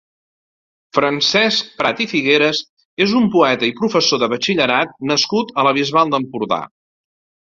Francesc Prat i Figueres és un poeta i professor de batxillerat nascut a la Bisbal d'Empordà.